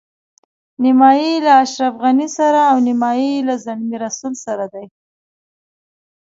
نیمایي یې له اشرف غني سره او نیمایي له زلمي رسول سره دي.